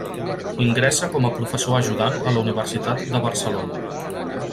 Ingressa com a professor ajudant a la Universitat de Barcelona.